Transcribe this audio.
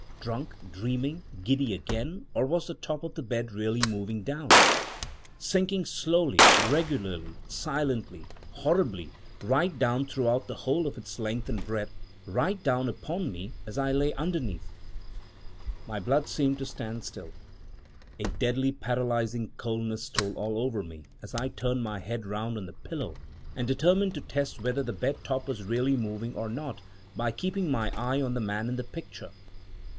drunk? dreaming? giddy again? or was the top of the bed really moving down — sinking slowly, regularly, silently, horribly, right down throughout the whole of its length and breadth — right down upon me, as I lay underneath? My blood seemed to stand still. A deadly paralysing coldness stole all over me as I turned my head round on the pillow and determined to test whether the bed top was really moving or not, by keeping my eye on the man in the picture.